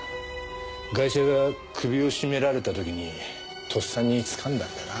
ガイシャが首を絞められた時にとっさに掴んだんだな。